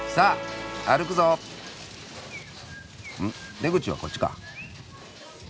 出口はこっちか。